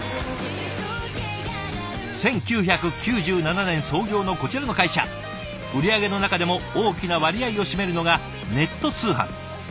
１９９７年創業のこちらの会社売り上げの中でも大きな割合を占めるのがネット通販。